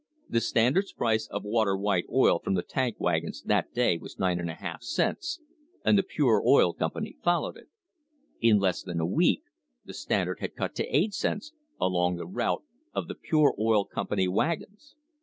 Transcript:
The Standard's price of water white oil from tank wagons that day was f) l / 2 cents, and the Pure Oil Company followed it. In less than a week the Standard had cut to 8 cents * along the route of the Pure Oil Company wagons.